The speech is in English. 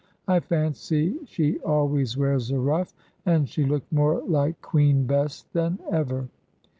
I fancy she always wears a ruff, and she looked more like Queen Bess than ever.